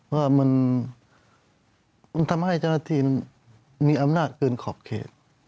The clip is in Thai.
ว่ามันทำให้เจ้าหน้าที่มีอำนาจเกินขอบเขต